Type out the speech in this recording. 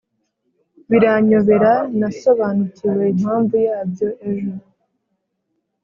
biranyobera nasobanukiwe impamvu yabyo ejo